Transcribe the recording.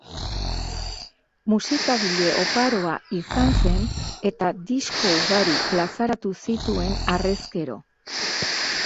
Musikagile oparoa izan zen, eta disko ugari plazaratu zituen harrezkero.